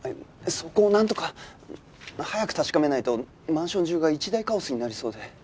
そこをなんとか。早く確かめないとマンション中が一大カオスになりそうで。